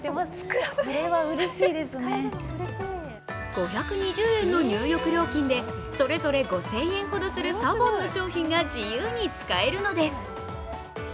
５２０円の入浴料金でそれぞれ５０００円ほどするＳＡＢＯＮの商品が自由に使えるのです。